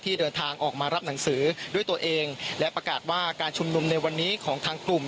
เดินทางออกมารับหนังสือด้วยตัวเองและประกาศว่าการชุมนุมในวันนี้ของทางกลุ่ม